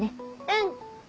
うん！